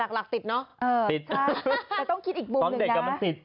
แต่หลักติดเนาะติดใช่แต่ต้องคิดอีกมุมหนึ่งนะตอนเด็กก็มันติด